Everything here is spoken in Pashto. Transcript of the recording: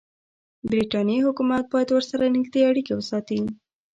برټانیې حکومت باید ورسره نږدې اړیکې وساتي.